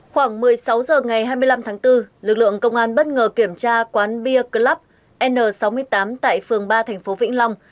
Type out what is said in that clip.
khoảng một mươi sáu h ngày hai mươi năm tháng bốn lực lượng công an bất ngờ kiểm tra quán beer club n sáu mươi tám tại phường ba thành phố vĩnh long